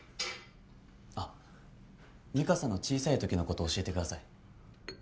あっ美香さんの小さいときのこと教えてください。